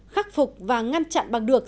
khắc phục và ngăn chặn bằng được